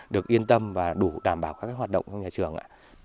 được yên tâm và đủ đảm bảo các hoạt động trong nhà trường